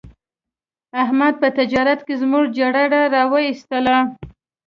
احمد په تجارت کې زموږ جرړې را و ایستلې.